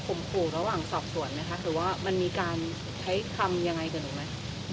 ผมขู่ระหว่างสอบสวนไหมคะหรือว่ามันมีการใช้คำยังไงกับหนูไหม